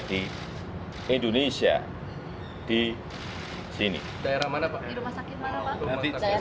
nanti saya jelas